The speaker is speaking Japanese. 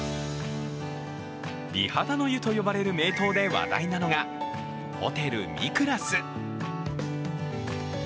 美肌の湯と呼ばれる名湯で話題なのがホテルミクラス。